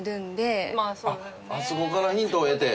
あっあそこからヒントを得て？